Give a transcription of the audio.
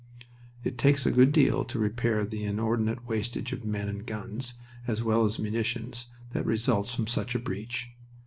It takes a good deal to repair the inordinate wastage of men and guns as well as munitions that results from such a breach.